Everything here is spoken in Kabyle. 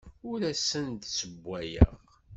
Ur asen-d-ssewwayeɣ.